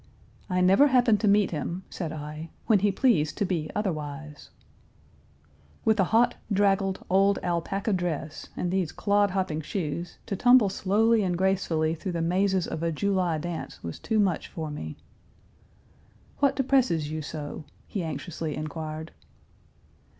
"I never happened to meet him," said I, "when he pleased to be otherwise." With a hot, draggled, old alpaca dress, and those clod hopping shoes, to tumble slowly and gracefully through the mazes of a July dance was too much for me. "What depresses you so?" he anxiously inquired.